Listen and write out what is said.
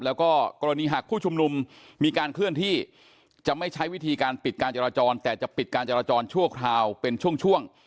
แล้วก็กรณีหากผู้ชุมนุมมีการเคลื่อนที่จะไม่ใช้วิธีการปิดการจราจรแต่จะปิดการจราจรชั่วคราวเป็นช่วง